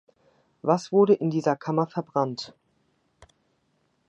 Was wurde in dieser Kammer verbrannt?